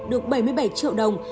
được bảy mươi bảy triệu đồng